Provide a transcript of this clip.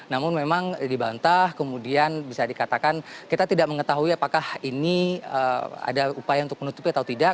namun memang dibantah kemudian bisa dikatakan kita tidak mengetahui apakah ini ada upaya untuk menutupi atau tidak